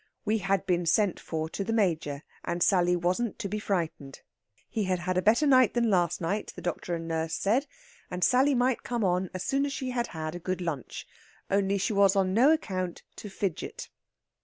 We had been sent for to the Major, and Sally wasn't to be frightened. He had had a better night than last night, the doctor and nurse said; and Sally might come on as soon as she had had a good lunch. Only she was on no account to fidget.